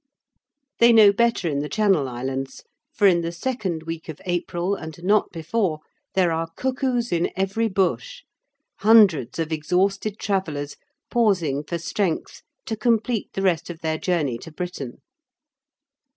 They know better in the Channel Islands, for in the second week of April, and not before, there are cuckoos in every bush hundreds of exhausted travellers pausing for strength to complete the rest of their journey to Britain.